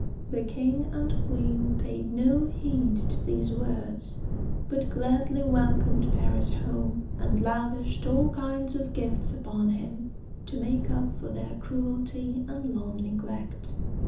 The king and queen paid no heed to these words, but gladly welcomed Paris home, and lavished all kinds of gifts upon him to make up for their cruelty and long neglect.